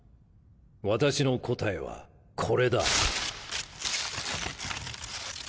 私の答えはこれだ。